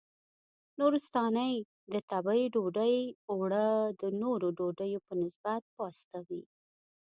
نورستانۍ د تبۍ ډوډۍ اوړه د نورو ډوډیو په نسبت پاسته وي.